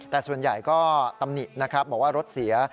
แต่ส่วนใหญ่ก็ตำหนินะครับบอกว่ารถเสีย